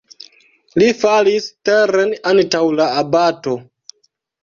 Li falis teren antaŭ la abato.